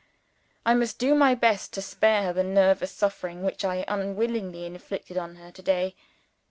"I must do my best to spare her the nervous suffering which I unwillingly inflicted on her to day.